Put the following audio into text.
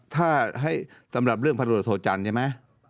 ถ้าให้สำหรับเรื่องพันตรวจโทจันทร์ใช่ไหม